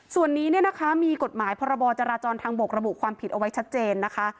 ส่วนนี้เนี่ยนะคะมีกฎหมายพรบจราจรทางบกระบุความผิดเอาไว้ชัดเจนนะคะ